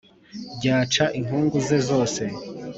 ryaca inkungu ze zose